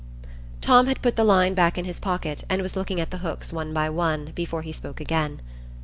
Tom had put the line back in his pocket, and was looking at the hooks one by one, before he spoke again.